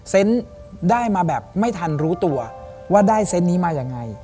ได้มาแบบไม่ทันรู้ตัวว่าได้เซนต์นี้มายังไง